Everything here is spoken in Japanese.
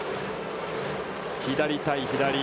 左対左。